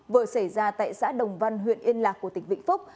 vừa xảy ra tại xã đồng văn huyện yên lạc của tỉnh vĩnh phúc